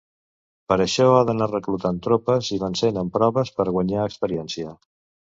Per a això ha d'anar reclutant tropes i vencent en proves per guanyar experiència.